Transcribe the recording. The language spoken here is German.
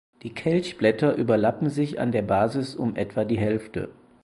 Die Kelchblätter überlappen sich an der Basis um etwa die Hälfte.